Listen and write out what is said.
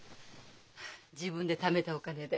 自分でためたお金で。